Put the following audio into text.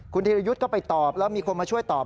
คุณธีรยุทธ์ก็ไปตอบแล้วมีคนมาช่วยตอบ